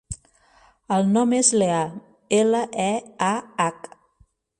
El nom és Leah: ela, e, a, hac.